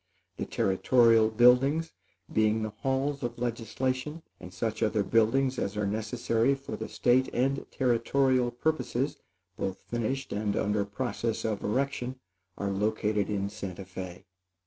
The Territorial buildings, being the halls of legislation, and such other buildings as are necessary for the State and Territorial purposes, both finished and under process of erection, are located in Santa Fé.